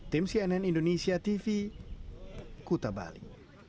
tim cnn indonesia tv kuta bali